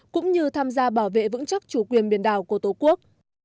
cũng như tham gia bảo vệ vững chắc chủ quyền biển đảo của tổ quốc